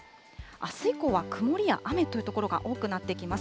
あす以降は曇りや雨という所が多くなってきます。